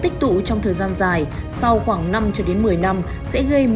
tích tụ trong thời gian dài sau khoảng năm một mươi năm sẽ gây mệt mỏi buồn nôn hồng cầu và bạch cầu giảm